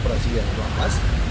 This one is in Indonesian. operasi yang terlalu pas